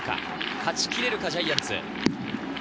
勝ちきれるかジャイアンツ。